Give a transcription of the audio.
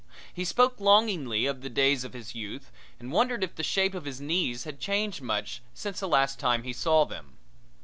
He spoke longingly of the days of his youth and wondered if the shape of his knees had changed much since the last time he saw them.